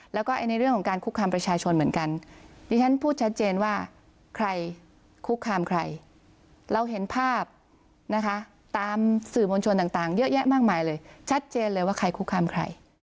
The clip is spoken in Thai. แล้วก็ในเรื่องของการคุกคามประชาชนเหมือนกันดิฉันพูดชัดเจนว่าใครคุกคามใครเราเห็นภาพนะคะตามสื่อมวลชนต่างเยอะแยะมากมายเลยชัดเจนเลยว่าใครคุกคามใคร